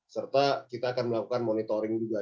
serta kita akan melakukan monitoring juga